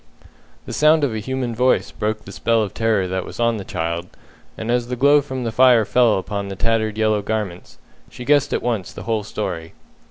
The sound of a human voice broke the spell of terror that was on the child, and as the glow from the fire fell upon the tattered yellow garments, she guessed at once the whole story.